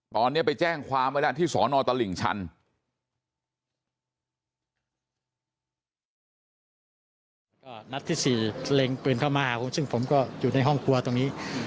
ตอนนี้ไปแจ้งความไว้แล้วที่สอนอตลิ่งชัน